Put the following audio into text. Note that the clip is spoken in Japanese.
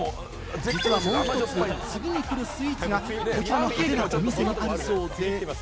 実はもう一つ、次に来るスイーツがこちらのビルのお店にあるそうです。